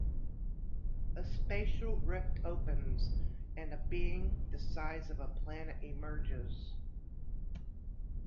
A spatial rift opens, and a being the size of a planet emerges.